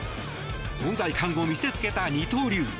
存在感を見せつけた二刀流。